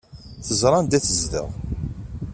Teẓra anda nezdeɣ.